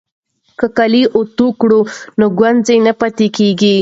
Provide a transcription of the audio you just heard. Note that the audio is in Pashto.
که کالي اوتو کړو نو ګونځې نه پاتې کیږي.